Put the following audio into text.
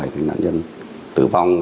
thì nạn nhân tử vong